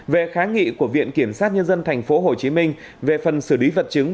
về kháng nghị của viện kiểm sát nhân dân thành phố hồ chí minh về phần xử lý vật chứng